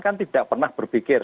kan tidak pernah berpikir